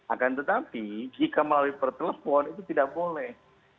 akan tetapi jika melalui pertelepon itu tidak boleh